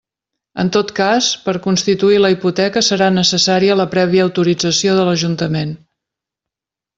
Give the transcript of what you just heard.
En tot cas, per constituir la hipoteca serà necessària la prèvia autorització de l'Ajuntament.